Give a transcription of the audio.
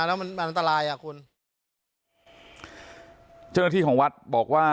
แล้วมันมันอันตรายอ่ะคุณเจ้าหน้าที่ของวัดบอกว่า